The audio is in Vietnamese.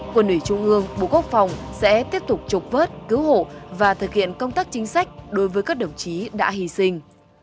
quân ủy trung ương bộ quốc phòng sẽ tiếp tục trục vớt cứu hộ và thực hiện công tác chính sách đối với các đồng chí đã hy sinh